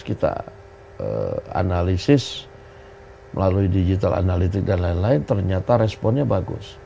kita analisis melalui digital analitik dan lain lain ternyata responnya bagus